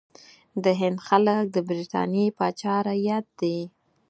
د هند خلک د برټانیې پاچا رعیت دي.